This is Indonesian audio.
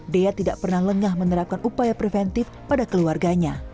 dea tidak pernah lengah menerapkan upaya preventif pada keluarganya